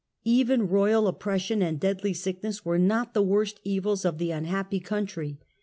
Even royal oppression and deadly sickness were not the worst evils of the unhappy country.